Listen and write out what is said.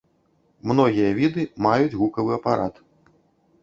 Многія віды маюць гукавы апарат.